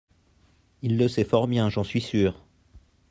il le sait fort bien, j'en suis sure.